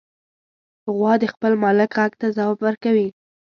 غوا د خپل مالک غږ ته ځواب ورکوي.